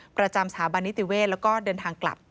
ประจำสถาบันนิติเวศแล้วก็เดินทางกลับ